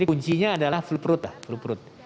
kuncinya adalah flu prut lah flu prut